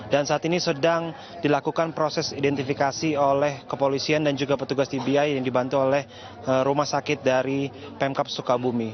dan saat ini sedang dilakukan proses identifikasi oleh kepolisian dan juga petugas dvi yang dibantu oleh rumah sakit dari pemkap sukabumi